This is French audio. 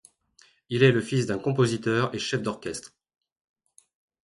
Il est le fils d'un compositeur et chef d'orchestre.